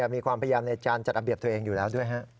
มีความพยายามในการจัดระเบียบตัวเองอยู่แล้วด้วย